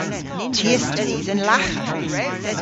Ty a studh an lagha.